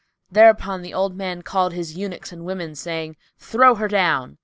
'" Thereupon the old man called his eunuchs and women, saying, "Throw her down!"